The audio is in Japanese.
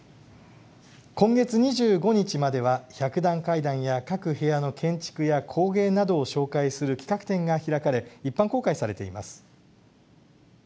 今月２５日までは百段階段や各部屋の建築や工芸などを紹介する企画展が開かれ一般公開されています。